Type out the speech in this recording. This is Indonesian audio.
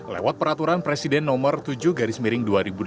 lewat peraturan presiden nomor tujuh garis miring dua ribu delapan belas